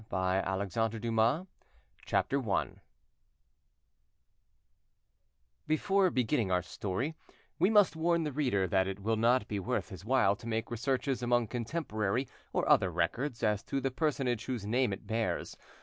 *LA CONSTANTIN—1660* CHAPTER I Before beginning our story, we must warn the reader that it will not be worth his while to make researches among contemporary or other records as to the personage whose name it bears.